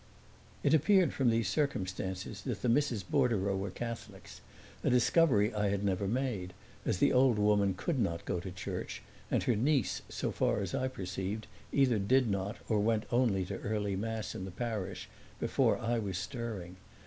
It appeared from these circumstances that the Misses Bordereau were Catholics, a discovery I had never made, as the old woman could not go to church and her niece, so far as I perceived, either did not or went only to early mass in the parish, before I was stirring.